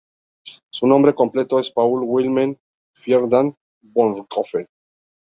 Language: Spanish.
Su nombre completo es Paul Wilhelm Ferdinand von Richthofen.